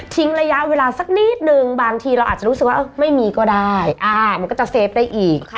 ระยะเวลาสักนิดนึงบางทีเราอาจจะรู้สึกว่าไม่มีก็ได้มันก็จะเฟฟได้อีก